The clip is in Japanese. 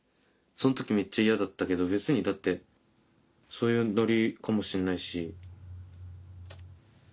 その時めっちゃ嫌だったけど別にだってそういうノリかもしれないし。